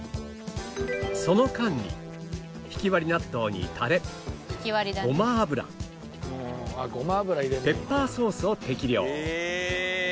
その間にひきわり納豆にタレごま油ペッパーソースを適量